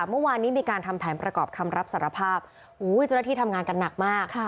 เมื่อวานนี้มีการทำแผนประกอบคำรับสารภาพอุ้ยเจ้าหน้าที่ทำงานกันหนักมาก